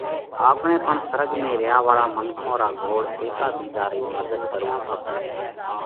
آپڻئہ پڻ سرڳ ۾ ريا واۯون منکون را گھوڙهيڪا ٻِيزا رئي مڌت ڪروو کپئہ